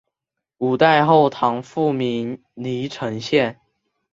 五代后唐复名黎城县。